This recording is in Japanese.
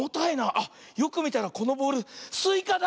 あっよくみたらこのボールスイカだ！